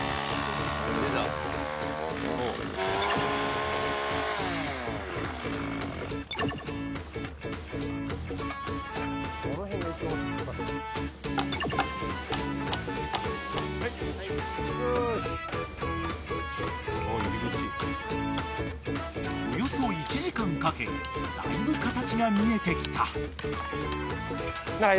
［およそ１時間かけだいぶ形が見えてきた］